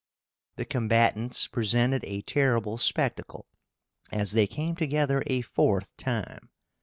The combatants presented a terrible spectacle as they came together a fourth time.